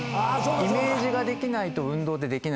イメージができないと運動ってできないので。